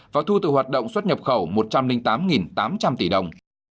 và thu từ hoạt động xuất nhập khẩu một trăm linh tám tám trăm linh tỷ đồng